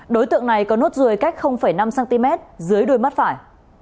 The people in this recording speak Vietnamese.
đối tượng này có nốt ruồi cách năm cm dưới đuôi mắt phải